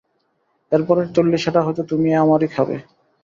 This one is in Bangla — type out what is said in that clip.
এরপরের চল্লিশাটা হয়তো তুমি আমারই খাবে।